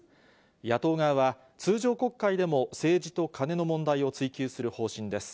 野党側は、通常国会でも政治とカネの問題を追及する方針です。